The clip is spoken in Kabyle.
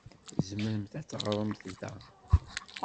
Tzemremt ad teɣṛemt da.